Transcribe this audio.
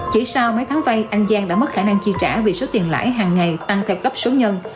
chỉ sau mấy tháng vay an giang đã mất khả năng chi trả vì số tiền lãi hàng ngày tăng theo gấp số nhân